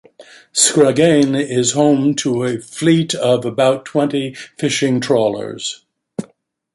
Scraggane is home to a fleet of about twenty fishing trawlers.